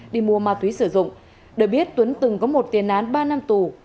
đi mua ma túy sử dụng được biết tuấn từng có một tiền án ba năm tù